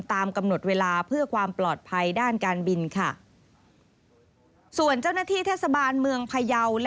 ตามกำหนดเวลาเพื่อความปลอดภัยด้านการบินค่ะส่วนเจ้าหน้าที่เทศบาลเมืองพยาว